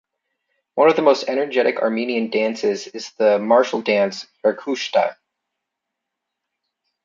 One of the most energetic Armenian dances is the martial dance Yarkhushta.